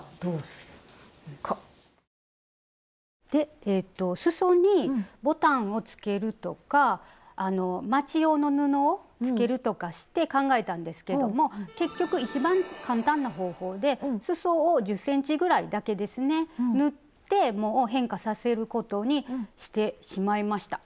スタジオでえっとすそにボタンをつけるとかあのまち用の布をつけるとかして考えたんですけども結局一番簡単な方法ですそを１０ｃｍぐらいだけですね縫ってもう変化させることにしてしまいました。